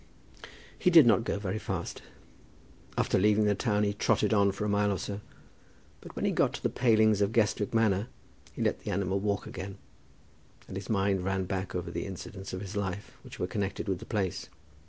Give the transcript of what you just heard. He did not go very fast. After leaving the town he trotted on for a mile or so. But when he got to the palings of Guestwick Manor he let the animal walk again, and his mind ran back over the incidents of his life which were connected with the place.